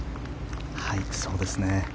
そうですね。